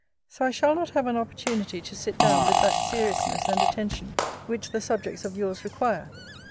So I shall not have an opportunity to sit down with that seriousness and attention which the subjects of yours require.